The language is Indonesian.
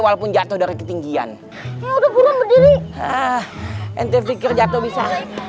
walaupun jatuh dari ketinggian yaudah burung berdiri ente pikir jatuh bisa